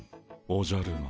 おじゃる丸！